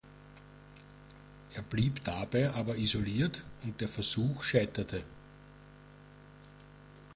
Er blieb dabei aber isoliert und der Versuch scheiterte.